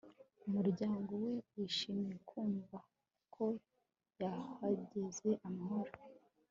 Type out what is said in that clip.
Umuryango we wishimiye kumva ko yahageze amahoro